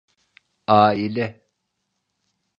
Aile…